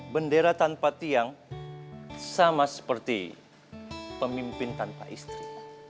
bendera tanpa tiang sama seperti pemimpin tanpa istri